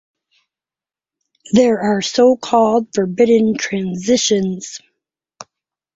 These are the so-called forbidden transitions.